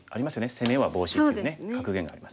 「攻めはボウシ」っていうね格言がありますね。